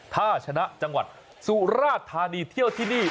ถ้าชนะจังหวัดสุราธานีเที่ยวที่นี่